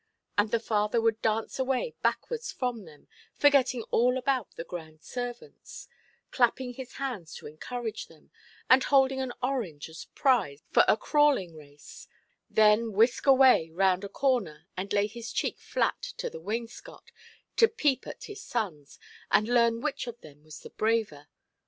And the father would dance away backwards from them, forgetting all about the grand servants, clapping his hands to encourage them, and holding an orange as prize for a crawling–race—then whisk away round a corner, and lay his cheek flat to the wainscot, to peep at his sons, and learn which of them was the braver.